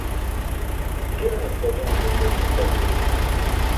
Turanas daġowane deljar kuli bati̇n api.